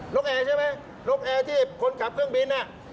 กแอร์ใช่ไหมนกแอร์ที่คนขับเครื่องบิน